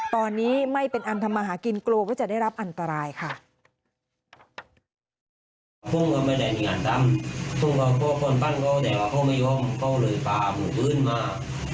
ตอนนี้ไม่เป็นอันทำมาหากินกลัวว่าจะได้รับอันตรายค่ะ